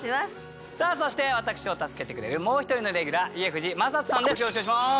さあそして私を助けてくれるもう一人のレギュラー家藤正人さんです